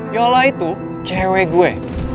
yolah itu cewek gue